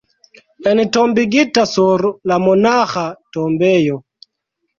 Entombigita sur la monaĥa tombejo.